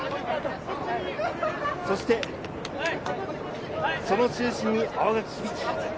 そして、その中心に青柿響。